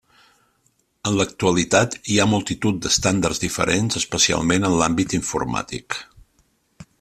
En l'actualitat hi ha multitud d'estàndards diferents, especialment en l'àmbit informàtic.